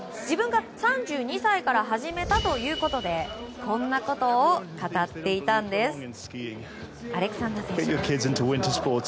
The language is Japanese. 自分が３２歳から始めたということでこんなことを語っていたんです。